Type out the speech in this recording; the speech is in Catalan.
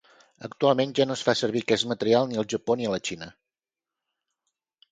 Actualment ja no es fa servir aquest material ni al Japó ni a la Xina.